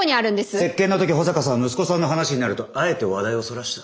接見の時保坂さんは息子さんの話になるとあえて話題をそらした。